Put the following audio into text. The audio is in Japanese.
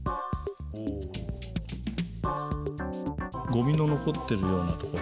ごみの残ってるようなところ。